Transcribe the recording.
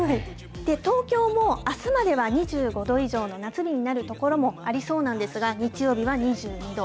東京もあすまでは、２５度以上の夏日になる所もありそうなんですが、日曜日は２２度。